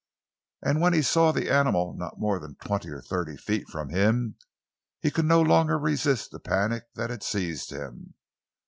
And when he saw the animal not more than twenty or thirty feet from him, he could not longer resist the panic that had seized him.